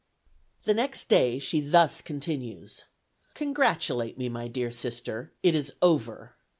The next day she thus continues: "Congratulate me, my dear sister, it is over.